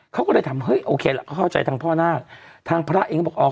เขาก็เลยถามเฮ้ยโอเคละเขาเข้าใจทางพ่อหน้าทางพระเองก็บอกอ๋อ